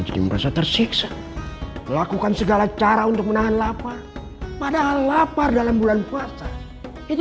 jadi merasa tersiksa melakukan segala cara untuk menahan lapar padahal lapar dalam bulan puasa itu